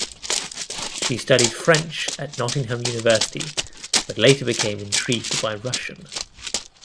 She studied French at Nottingham University but later became intrigued by Russian.